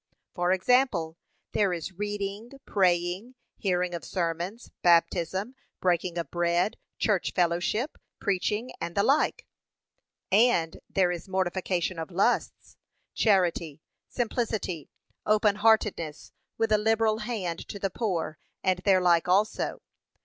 For example, there is reading, praying, hearing of sermons, baptism, breaking of bread, church fellowship, preaching, and the like; and there is mortification of lusts, charity, simplicity, open heartedness, with a liberal hand to the poor, and their like also.